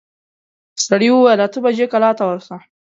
سړي وويل اته بجې کلا ته ورسه.